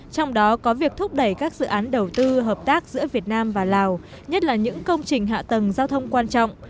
trong đó có việc thúc đẩy các dự án đầu tư hợp tác giữa việt nam và lào nhất là những công trình hạ tầng giao thông quan trọng